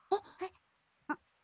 あっ！